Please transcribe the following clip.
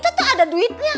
itu tuh ada duitnya